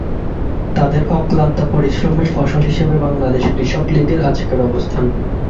তাদের অক্লান্ত পরিশ্রমের ফসল হিসেবে বাংলাদেশ কৃষক লীগের আজকের অবস্থান।